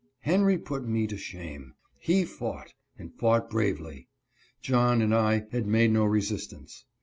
Henry put me to shame ; he fought, and fought bravely. John and I had made no resistance.